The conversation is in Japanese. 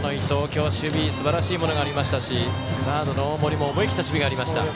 今日、守備すばらしいものありましたしサードの大森も思い切った守備がありました。